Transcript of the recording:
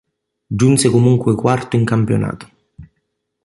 Giunse comunque quarto in campionato.